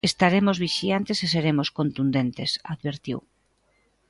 "Estaremos vixiantes e seremos contundentes", advertiu.